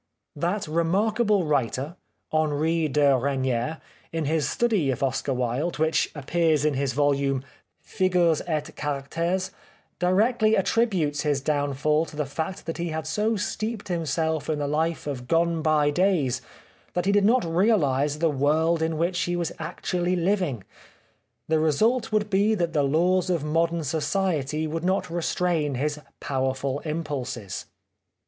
That remarkable writer, Henri de Regnier, in his study of Oscar Wilde, which appears in his volume, " Figures et Caracteres," directly attributes his downfall to the fact that he had so steeped himself in the life of gone by days that he did not realise the world in which he was actually living. The re sult would be that the laws of modern society would not restrain his powerful impulses.